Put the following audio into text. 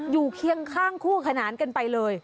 เคียงข้างคู่ขนานกันไปเลย